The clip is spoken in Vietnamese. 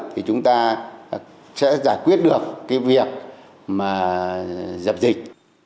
thì chúng ta sẽ giải quyết được việc dập dịch